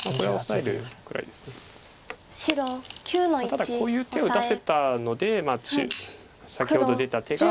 ただこういう手を打たせたので先ほど出た手が。